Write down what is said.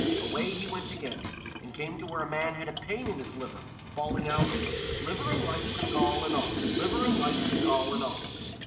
Away he went again, and came to where a man had a pain in his liver, bawling out: "Liver and lights and gall and all! Liver and lights and gall and all!"